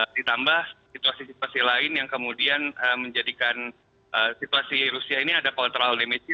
ditambah situasi situasi lain yang kemudian menjadikan situasi rusia ini ada kontrol demisi